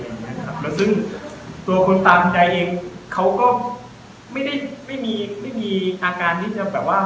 แล้วซึ่งตัวคนตามใจเองเขาก็ไม่ได้ไม่มีไม่มีอาการที่จะแบบว่า